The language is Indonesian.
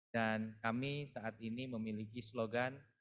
dan kami saat ini memiliki slogan